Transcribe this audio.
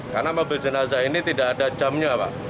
karena mobil jenazah ini tidak ada jamnya pak